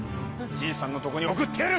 じいさんのとこに送ってやる！